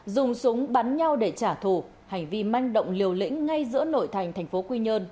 dùng súng bắn nhau để trả thù hành vi manh động liều lĩnh ngay giữa nội thành thành phố quy nhơn